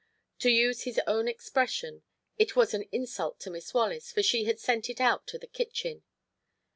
To use his own expression: "It was an insult to Miss Wallace, for she had sent it out to the kitchen."